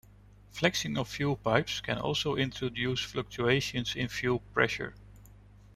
Flexing of fuel pipes can also induce fluctuations in fuel pressure.